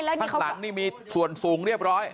ข้างหลังนี่มีส่วนสูงเรียบร้อย